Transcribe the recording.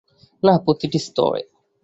না, প্রতিটি স্তরে।